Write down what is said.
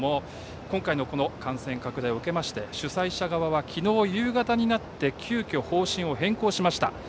今回の感染拡大を受けまして主催者側は昨日夕方になって急きょ方針を変更しました。